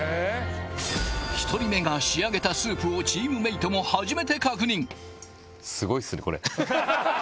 １人目が仕上げたスープをチームメートも初めて確認すごいっすね